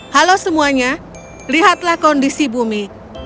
halo semuanya lihatlah kondisi bumi